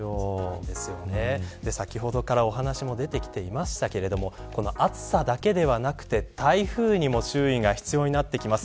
先ほどからお話も出てきていましたが暑さだけではなくて台風にも注意が必要になってきます。